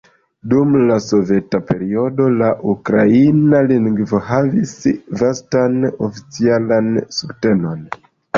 Dum la soveta periodo, la ukraina lingvo havis vastan oficialan subtenon.